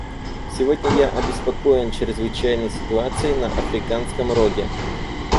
Сегодня я обеспокоен чрезвычайной ситуацией на Африканском Роге.